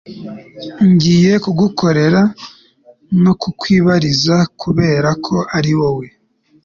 ngiye kugukorera Nukukwibabariza kubera ko ari wowe